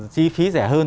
chi phí rẻ hơn